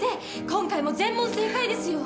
今回も全問正解ですよ。